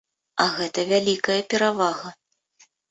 А гэта вялікая перавага.